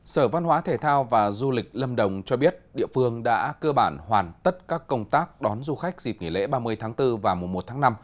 sở văn hóa thể thao và du lịch lâm đồng cho biết địa phương đã cơ bản hoàn tất các công tác đón du khách dịp nghỉ lễ ba mươi tháng bốn và mùa một tháng năm